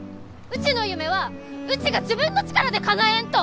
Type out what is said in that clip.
うちの夢はうちが自分の力でかなえんと！